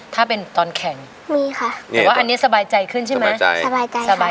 ถ้าเป็นตอนแข่งด้วยค่ะเนี่ยภาษาใจขึ้นใช่ไหม